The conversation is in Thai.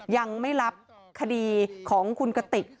ยังไม่รับคดีของคุณกติก